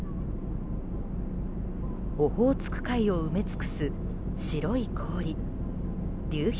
オホーツク海を埋め尽くす白い氷。